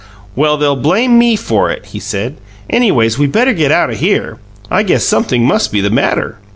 "Well, they'll blame ME for it!" he said. "Anyways, we better get out o' here. I guess sumpthing must be the matter."